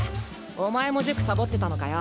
お前も塾サボってたのかよ。